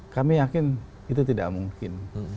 kami yakin itu tidak mungkin